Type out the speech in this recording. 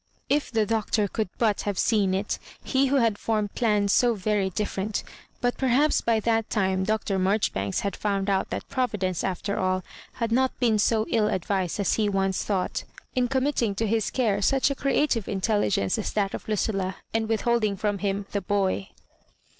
If the Doctor could but have seen it, he who had formed plans so very different! — ^but per haps by that time Dr. Marjoribanks had found out that Providence after all had not been so ill advised as he once thought in committing to his care such a creative intelligence as that ot Lucilla, and withholding from him " the boy.'